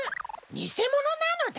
にせものなのだ！